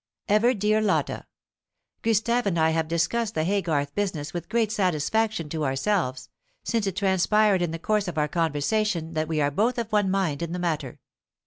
"EVER DEAR LOTTA, Gustave and I have discussed the Haygarth business with great satisfaction to ourselves, since it transpired in the course of our conversation that we are both of one mind in the matter.